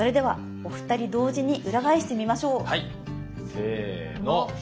せの。